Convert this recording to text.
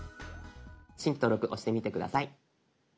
「新規登録」押してみて下さい。